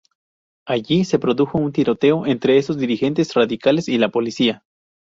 Allí se produjo un tiroteo entre estos dirigentes radicales y la Policía.